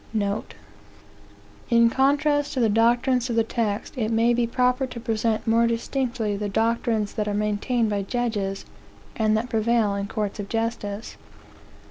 In contrast to the doctrines of the text, it may be proper to present more distinctly the doctrines that are maintained by judges, and that prevail in courts of justice.